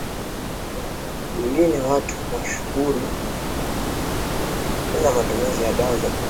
nyingine watu mashuhuri hutukuza matumizi ya dawa za kulevya